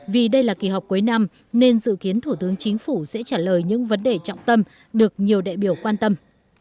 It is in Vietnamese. vì đây là kỳ họp cuối năm nên dự kiến thủ tướng chính phủ sẽ trả lời những vấn đề trọng tâm được nhiều đại biểu quan tâm